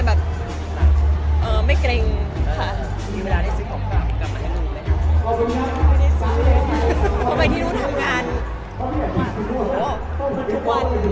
ทุกคนก็ส่งประทับของขีมให้กัน